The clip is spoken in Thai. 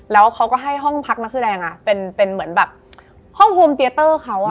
แล้วเขาก็ให้ห้องพักนักแสดงเป็นเหมือนแบบห้องโฮมเตียเตอร์เขา